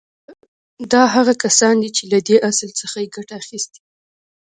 دا هغه کسان دي چې له دې اصل څخه يې ګټه اخيستې.